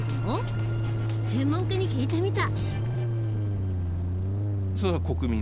専門家に聞いてみた。